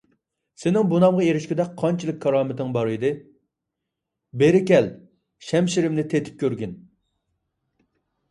سېنىڭ بۇ نامغا ئېرىشكۈدەك قانچىلىك كارامىتىڭ بـار ئىـدى؟ بېـرى كـەل، شەمـشىـرىمـنى تېتىپ كۆرگىن!